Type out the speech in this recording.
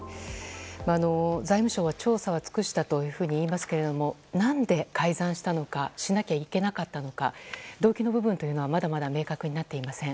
財務省は調査を尽くしたと言いますけれども何で改ざんしたのかしなきゃいけなかったのか動機の部分はまだまだ明確になっていません。